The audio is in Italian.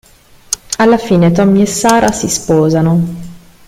Alla fine, Tommy e Sarah si sposano.